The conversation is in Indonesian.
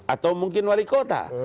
atau mungkin wali kota